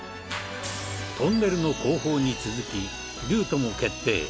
トンネルの工法に続きルートも決定。